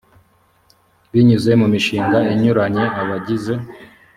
binyuze mu mishinga inyuranye abagize